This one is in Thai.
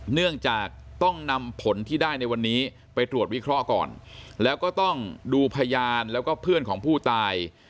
เนื่องจากต้องนำผลที่ได้ในวันนี้ไปตรวจวิเคราะห์ก่อนแล้วก็ต้องดูพยานแล้วก็เพื่อนของผู้ตาย